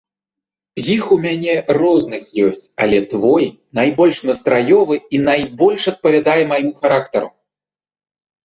Іх у мяне розных ёсць, але твой найбольш настраёвы і найбольш адпавядае майму характару.